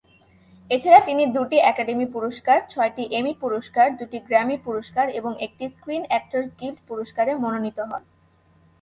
এছাড়া তিনি দুটি একাডেমি পুরস্কার, ছয়টি এমি পুরস্কার, দুটি গ্র্যামি পুরস্কার এবং একটি স্ক্রিন অ্যাক্টরস গিল্ড পুরস্কারে মনোনীত হন।